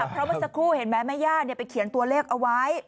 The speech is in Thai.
เพราะเมื่อสักครู่เห็นไหมแม่ย่าไปเขียนตัวเลขเอาไว้